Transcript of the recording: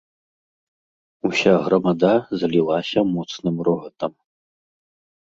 Уся грамада залілася моцным рогатам.